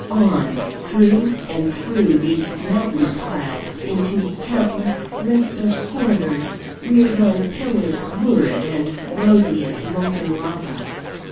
On! through and through these mountain piles, into countless, limitless corridors, reared on pillars lurid and rosy as molten lava.